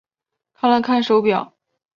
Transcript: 看了看手表